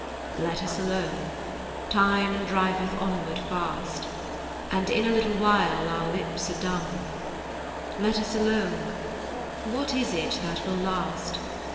"Let us alone. Time driveth onward fast, And in a little while our lips are dumb. Let us alone. What is it that will last?